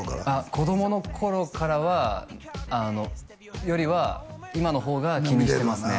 子供の頃からはよりは今の方が気にしてますね